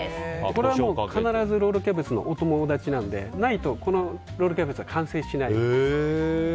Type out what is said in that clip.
これは必ずロールキャベツのお友達なのでこれがないとロールキャベツが完成しないですね。